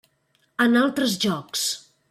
En altres jocs: